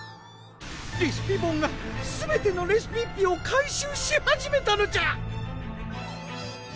レシピボンがすべてのレシピッピを回収し始めたのじゃピピピー！